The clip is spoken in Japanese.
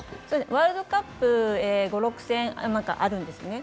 ワールドカップ５６戦あるんですね。